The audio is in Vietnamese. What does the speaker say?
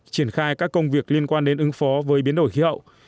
triển khai các công việc liên quan đến ứng phó với biến đổi khí hậu